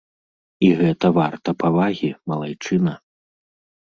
І гэта варта павагі, малайчына.